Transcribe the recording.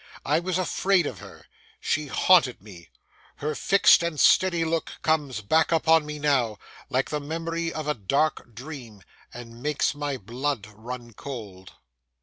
I was afraid of her; she haunted me; her fixed and steady look comes back upon me now, like the memory of a dark dream, and makes my blood run cold.